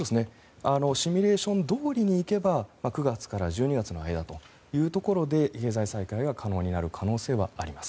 シミュレーションどおりにいけば９月から１２月の間というところで経済再開が可能になる可能性はあります。